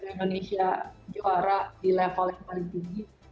indonesia juara di level yang paling tinggi